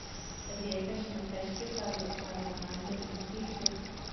په دې کشمکش کې پارلمان ګټونکی شو.